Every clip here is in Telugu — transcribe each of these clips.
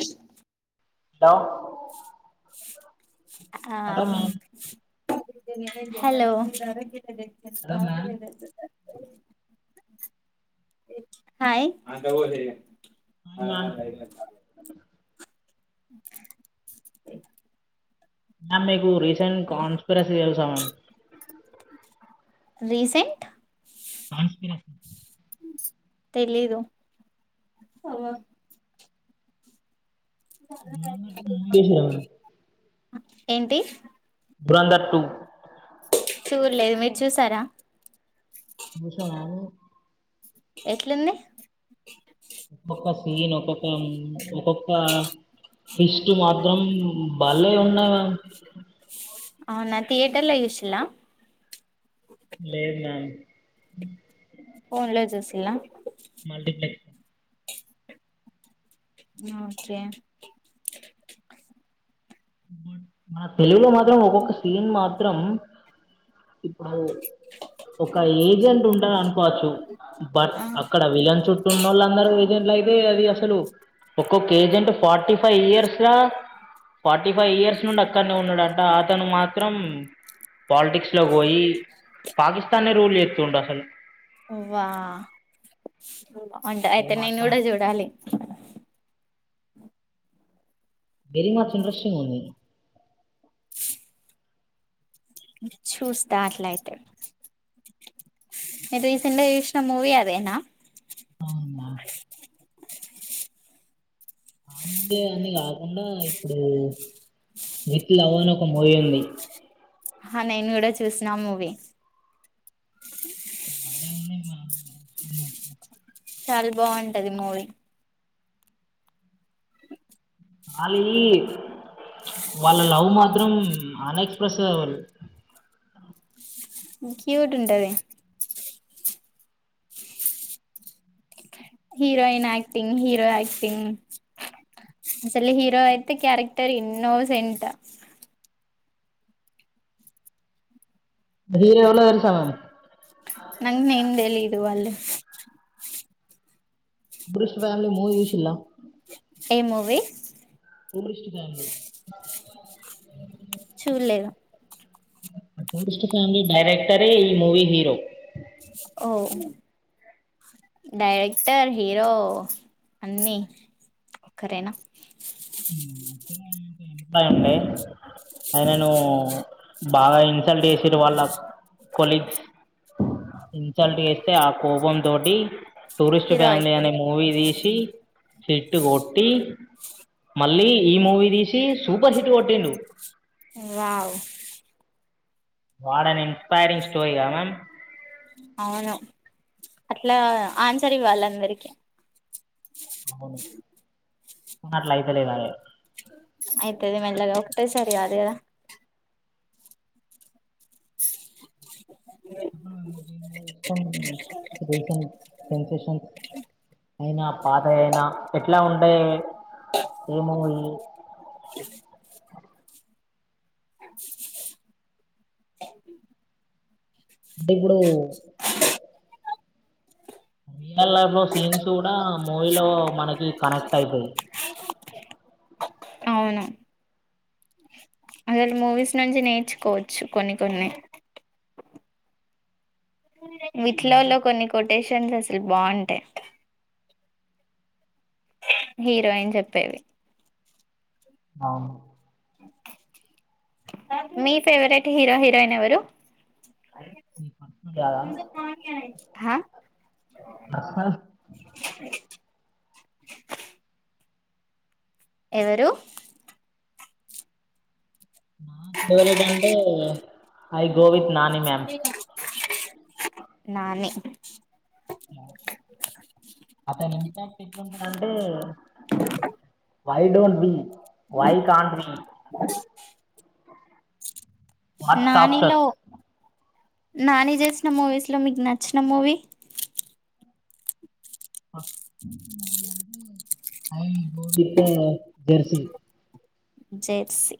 అ హలో ఆ hello ma'am hello hello ma'am [unintelligible] hi hi ma'am [unintelligible] ma'am మీకు [unintelligible] కన్స్పిరసి తెలుగు [unintelligible] రీసెంట్ కాన్స్పిరసీ తెలీదు [unintelligible] ఏంటి దూరంధర్ టు చూడలేదు మీరు చూసారా చూశా గానీ ఎట్లుంది పక్క సన ఒక్కొక్క ఒక్కొక్క [unintelligible] మాత్రం బళ్లే ఉన్నామా అవునా థియేటర్ చూసిలా లేదు మమ్ ఫోన్ చూసిలా మల్టీపక్స్ ఓకే తెలుగులో మాత్రం ఒక్కొక్క సీన్ మాత్రం ఇప్పుడు ఒక ఏజెంట్ ఉ [unintelligible] బట్ అక్కడ విలన్ చుట్టూ ఉన్న వాళ్ళు అందరు ఏజెంట్ అయితే అది అసలు ఒక్కొక్క agent forty five years forty five years నుండి అక్కడనే ఉన్నాడంట అతను మాత్రం పాలిటిక్స్ లో పోయి పాకిస్తానే రూల్ చేస్తుండు అసలు వా ఇది అయితే నేను మాత్రం కూడా చూడాలి [unintelligible] ఇంట్రెస్ంగ్ ఉంది చూస్తా అట్లా అయితే రీసెంట్ చూసిన మూవీ అదేనా అవునా ఆ మూవీ అన్ని కాకుండా ఇప్పుడు విత్ లవ్ అని ఒక మూవీ ఉంది ఆహా, నేను గూడ చూసినా మూవీ. మళ్ళ ఏమైంది మళ్ళ [inaudible] చాల బాగుంటది మూవీ. అల్లీ వాళ్ళ లవ్ మాత్రం అన్ఎక్స్ప్రెస్ వాల్ల్ క్యూటున్టది. Heroine acting, hero acting. అసలి హీరో యితే క్యారెక్టర్ ఇన్నోసెంట్. హీరో ఎవలో తెలుసా మరి? నంగ్న ఏం తెలీదు వాళ్లు. బృష్ వాళ్ళు మూవీ చూసిళ్ల? ఏం మూవి? టూరిస్ట్ ఫ్యామిలీ చూడలేదు టూరిస్ట్ ఫ్యామ్లీ డైరెక్టరే, ఈ మూవి హీరో. ఓ డైరెక్టర్, హీరో అన్నీ ఒకరేనా? బాయ్ ఉండే, అయ్నేను బాగా ఇన్సల్ట్ చేసిర్రు వాళ్ళ కొలీగ్స్. ఇన్సల్ట్ చేస్తే ఆ కోపం తోటి టూరిస్ట్ హీరో ఫ్యామిలీ అనే అయిపోయిండు మూవీ తీసి. చెట్టుగొట్టి మళ్ళీ, ఈ మూవీ తీసి, సూపర్ హిట్ కొట్టిండు. వావ్! వాట్ యన్ ఇన్స్పైరింగ్ స్టోరీగా మ్యామ్? అవును. అట్లా ఆన్సర్ ఇవ్వాలందరికి. అవును, అహా అట్లైతలేదాయే. అయితది మెల్లగా, ఒకటేసారి గాదు కదా? అయినా పాతయయినా ఎట్లా ఉంటే? ఏ మూవీ? అంటె ఇప్పుడూ? రియల్ లైఫ్ లో సీన్స్ గుడా, మూవీలో మనకి కనెక్ట్ అయితయి. అలాంటి మూవీస్ నుంచి నేర్చుకోవచ్చు. కొన్ని కొన్ని వీటిలోల్లొ కొన్ని కొడ్ టేషన్లాసలు బా ఉంటయ్. హీరోయిన్ చెప్పేవి అవును. మీ ఫేవరెట్ హీరో, హీరోయినెవరు? నీ పర్సనల్ కాదా హా? [unintelligible] ఎవరూ? నా ఫేవరేట్ అంటే? అయ్బ్ go with Nani ma'am. Nani అతని ఇంప్యాక్ట్ ఎట్లుంటదంటే, why don't we? Why can't we? నానిలో నాని చేసిన మూవీస్ లో, మీకు నచ్చిన movie? I will go with Jersey. Jersey.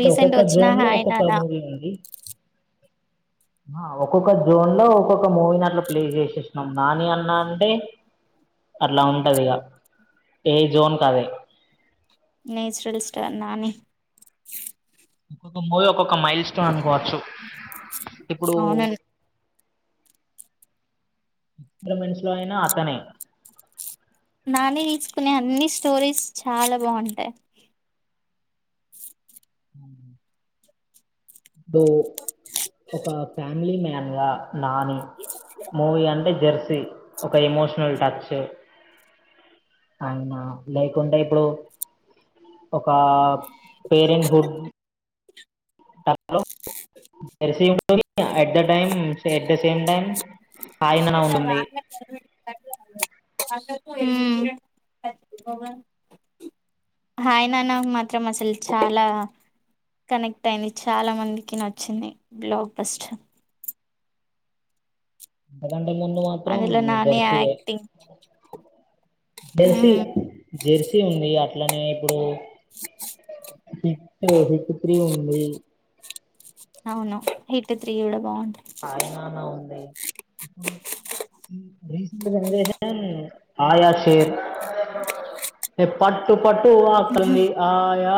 Recent ఒక్కొక్క వచ్చిన జోన్ లో హాయ్ ఒక్కొక్క నానా మూవీ ఉంది ఆ ఒక్కొక్క జోన్ లో ఒక్కొక్క మూవీని అట్ల ప్లే చేసేసినం. నాని అన్నా అంటే అట్లా ఉంటది ఇగ. ఏ జోన్ కదే నేచురల్ స్టార్ నాని. ఒక్కొక్క మూవీ, ఒక్కొక్క మైల్ స్టోన్. వచ్చు ఇప్పుడూ అవును [unintelligible] అయినా అతనే నాని తీసుకునే అన్ని స్టోరీస్ చాల బావుంటయి. అం ఇప్పుడూ ఒక ఫ్యామిలీ మ్యాన్ గా నాని, మూవీ అంటే జెర్సీ. ఒక ఎమోషనల్ టచ్. అండ్ లేకుంటే ఇప్పుడు ఒకా parenthood. That flow, Jersey movie at the time, at the same time సాయిన ఉంటుంది [unintelligible] మ్ హాయ్ నానా మాత్రం అసలు చాలా కనెక్ట్ అయింది చాలా మందికి నచ్చింది బ్లాక్ బస్టర్ ఆ ముందు మాత్రం అందులో నాని జర్సి యే యాక్టింగ్ జర్సీ హ్మ్ జెర్సీ ఉంది అట్లనే ఇప్పుడూ హిట్టూ హిట్ త్రీ ఉంది అవును హిట్ త్రీ గుడ బావుంది హాయ్ నాన ఉంది ఇప్పుడు రీసెంట్ జనరేషన్ ఆయా షేర్ టె పట్టు పట్టు ఆకలి ఉంది ఆయా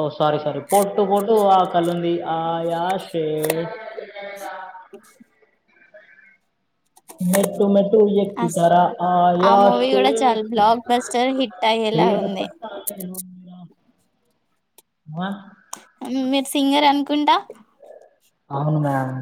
ఓ సారీ సారీ పొట్టు పొట్టు ఆకలి ఉంది ఆయా షేర్ మెట్టు మెట్టు అస్ ఎక్కుతరా ఆ మూవీ గుడ చాల బ్లాక్ బస్టర్ హిటయ్యేలా ఉంది అ ఉం మీరు సింగర్ అనుకుంటా అవును మ్యామ్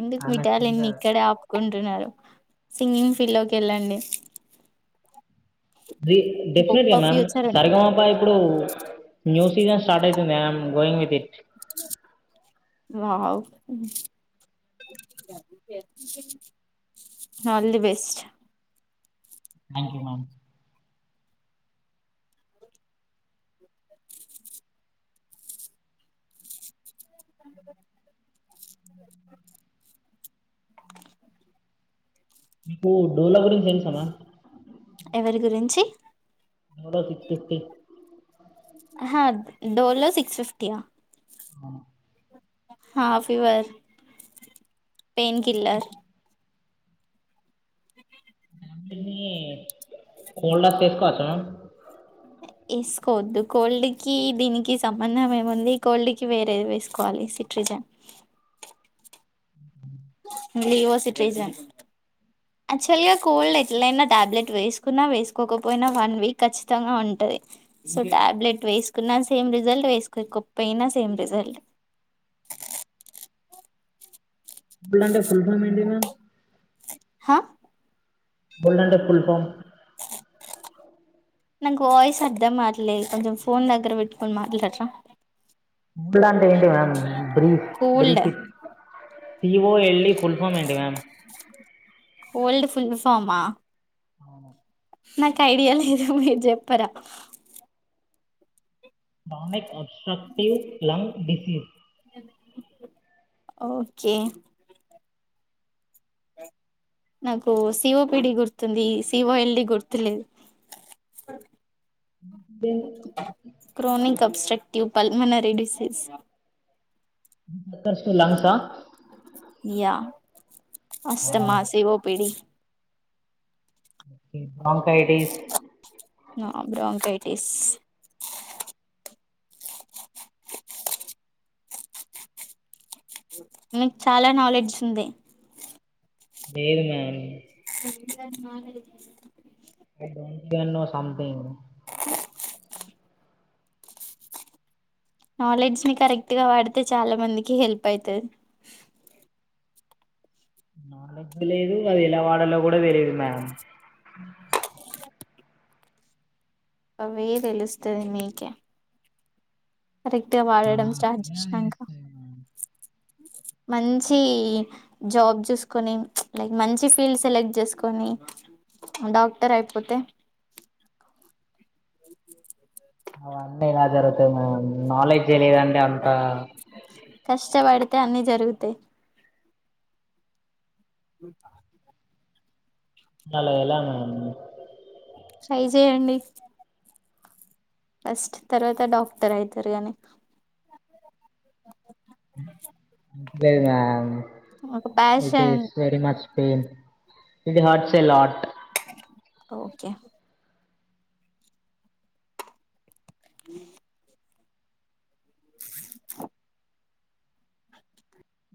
ఎందుకు మి ఆమె టాలెంట్నీ సింగర్ ఇక్కడే ఆపుకుం అంటున్నారు సింగింగ్ ఫీల్డ్ లోకి ఎళ్ళండి డె డెఫినెట్ గా గొప్ప మ్యామ్ ఫ్యూచర్ ఉంది సరిగమపా ఇప్పుడు న్యూ సీజన్ స్టార్ట్ అయి ందే going without wow all the best thank you మమ్ [unintelligible] మీకు డోలా గురించి తెల్సా మామ్ ఎవరి గురించి మూల తిప్పతి అహ డోలో సిక్స్ ఫిఫ్టీయా అవను హా ఫీవర్ పెయిన్ కిల్లర్ అ [unintelligible] కాని కోల్డస్తే ఏసుకోవచ్చా మేడం ఏసుకోవద్దు కోల్డ్ కి దీనికి సంబంధం ఏముంది కోల్డ్ కి వేరేది వేసుకోవాలి సిట్రిజన్ లీవో సిట్రిజన్ యాక్చువల్ గా కోల్డ్ ఎట్లయినా టాబ్లెట్ వేసుకున్నా వేసుకోకపోయినా వన్ వీక్ ఖచ్చితంగా ఉంటది సో టాబ్లెట్ వేసుకున్నా సేమ్ రిజల్ట్ వేసుకోకపోయినా సేమ్ రిజల్ట్ [unintelligible] అంటే ఫుల్ ఫామ్ ఏంటి మామ్ హ [unintelligible] ఫుల్ఫామ్ నాకు వాయిస్ అర్ధం కాట్లేదు కొంచెం ఫోన్ దగ్గర పెట్టుకొని మాట్లాడరా లాంటే ఏంటి ma'am brief cold brief C O L D full form ఏంటి మేమ్ కోల్డ్ ఫుల్ ఫామా అవును నాకు ఐడియా లేదు మీరు జెప్పర బావున్నాయి obstructive lung disease okay నాకు సివోపిడి గుర్తుంది సిఓఎల్డి గుర్తులేదు then chronic obstructive pulmonary disease first లంగ్సా ఆస్థమా సివోపిడి బ్రాంకైటిస్ నా బ్రాంకైటిస్ మీకు చాలా నాలెడ్జ్ ఉంది లేద్ మేమ్ [unintelligible] [unintelligible] సంథింగ్ నాలెడ్జ్ ని కరెక్ట్ గా వాడితే చాలా మందికి హెల్ప్ అయితది నాలెడ్జ్ లేదు అది ఎలా వాడాలో కూడా తెలీదు మేమ్ అవి తెలుస్తది మీకే కరెక్ట్ గా ఆ, వాడడం స్టార్ట్ అప్పుడే చేసినంక తెలుస్తాయి మ్యామ్. మంచీ జాబ్ చూసుకొని లైక్ మంచి ఫీల్డ్ సెలెక్ట్ చేసుకొని డాక్టర్ అయిపోతే అవన్నీ ఇలా జరుగుతము నాలెడ్జ్ ఏ లేదండి అంతా కష్టవడు తె అన్నీ జరుగుతయి అలా ఎలా అన్నాను ట్రై జేయండి ఫస్ట్ తర్వాత డాక్టర్ అయితారు గాని [unintelligible] ఒక ప్యాషన్ చేయండి ఇది హట్ సేల్ హాట్ ఓకె